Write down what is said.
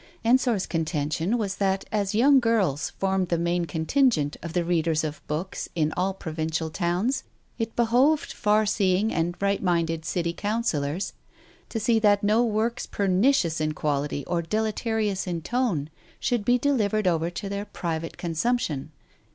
Ensor's contention was that as young girls formed the main contingent of the readers of books in all provincial towns it behoved far seeing and right minded city councillors to see that no works pernicious in quality or deleterious in tone Digitized by Google 286 TALES OF THE UNEASY should be delivered over to their private consumption.